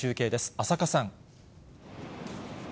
浅賀さん。